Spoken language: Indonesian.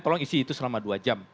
tolong isi itu selama dua jam